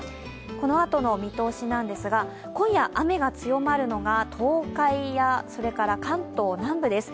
このあとの見通しなんですが、今夜雨が強まるのが東海や関東南部です。